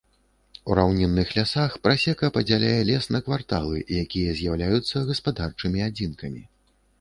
У раўнінных лясах прасека падзяляе лес на кварталы, якія з'яўляюцца гаспадарчымі адзінкамі.